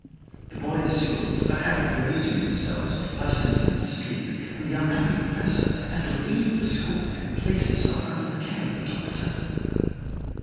The boys soon got into the habit of amusing themselves by sending him to sleep, and the unhappy professor had to leave the school, and place himself under the care of a doctor."